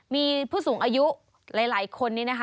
มีผู้สูงอายุหลายคนนี้นะคะ